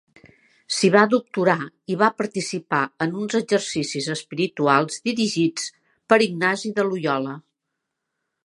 S'hi va doctorar i va participar en uns exercicis espirituals dirigits per Ignasi de Loiola.